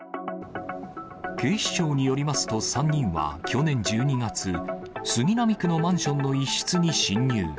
警視庁によりますと３人は去年１２月、杉並区のマンションの一室に侵入。